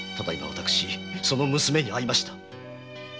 私その娘に会いました。